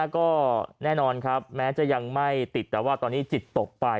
ก็แน่นอนครับแม้จะยังไม่ติดแต่ว่าตอนนี้จิตตกไป